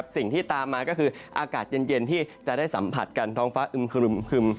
สิ่งที่ตามมาก็คืออากาศเย็นที่จะได้สัมผัสกันท้องฟ้าอึมครึม